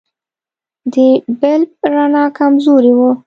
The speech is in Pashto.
د بلب رڼا کمزورې وه.